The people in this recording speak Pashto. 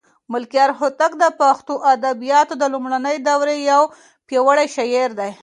ملکیار هوتک د پښتو ادبیاتو د لومړنۍ دورې یو پیاوړی شاعر دی.